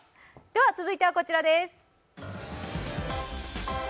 では続いてはこちらです。